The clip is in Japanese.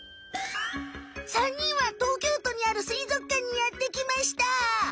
３にんは東京都にあるすいぞくかんにやってきました。